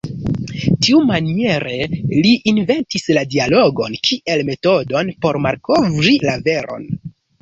Tiumaniere li inventis la dialogon kiel metodon por malkovri la veron.